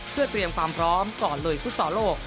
เพื่อเตรียมความพร้อมก่อนลุยฟุตซอลโลก